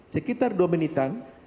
sekitar dua menitan